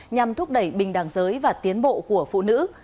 nhằm thúc đẩy bình đẳng giới và tiến bộ của phụ nữ